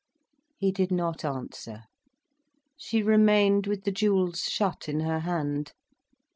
He did not answer. She remained with the jewels shut in her hand.